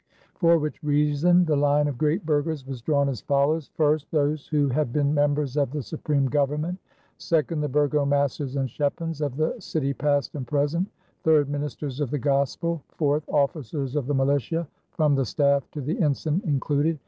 For which reason the line of great burghers was drawn as follows: first, those who had been members of the supreme government; second, the burgomasters and schepens of the city past and present; third, ministers of the gospel; fourth, officers of the militia from the staff to the ensign included.